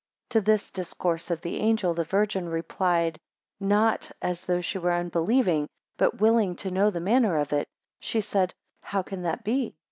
15 To this discourse of the angel the Virgin replied, not, as though she were unbelieving, but willing to know the manner of it. 16 She said, How can that be?